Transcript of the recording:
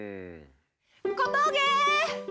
小峠！